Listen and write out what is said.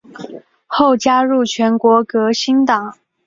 后加入全国革新党。